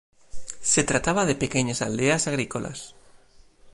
Se trataba de pequeñas aldeas agrícolas.